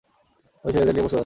আমি ছেলেদের নিয়ে প্রস্তুত আছি।